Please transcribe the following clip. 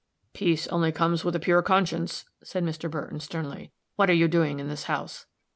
"Peace only comes with a pure conscience," said Mr. Burton, sternly. "What are you doing in this house?"